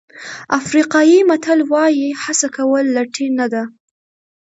افریقایي متل وایي هڅه کول لټي نه ده.